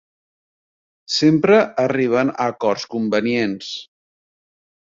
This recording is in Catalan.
Sempre arriben a acords convenients.